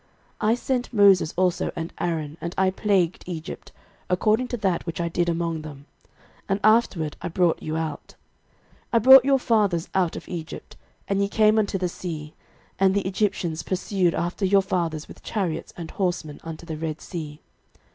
06:024:005 I sent Moses also and Aaron, and I plagued Egypt, according to that which I did among them: and afterward I brought you out. 06:024:006 And I brought your fathers out of Egypt: and ye came unto the sea; and the Egyptians pursued after your fathers with chariots and horsemen unto the Red sea.